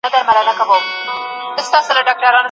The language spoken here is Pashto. هغه مهال اقتصادي رکود ټولنه سخت ځپلې وه.